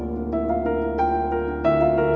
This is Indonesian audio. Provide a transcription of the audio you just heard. mungkin gue bisa dapat petunjuk lagi disini